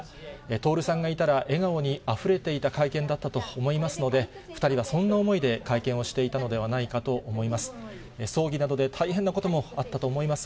徹さんがいたら、笑顔にあふれていた会見だったと思いますので、２人はそんな思いで会見をしていたのではないかと思います。